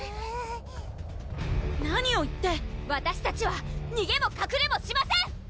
何を言ってわたしたちはにげもかくれもしません！